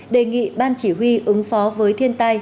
đề nghị ban chỉ huy ứng phó với thiên tai